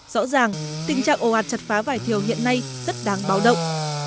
rõ ràng tình trạng ồ ạt chặt phá vải thiều hiện nay rất đáng báo động